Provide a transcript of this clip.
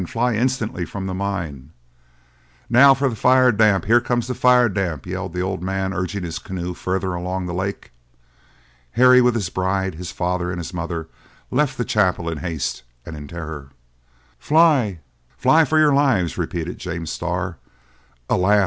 Fly instantly from the mine!" "Now for the fire damp! Here comes the fire damp!" yelled the old man, urging his canoe further along the lake. Harry with his bride, his father and his mother, left the chapel in haste and in terror. "Fly! fly for your lives!" repeated James Starr. Alas!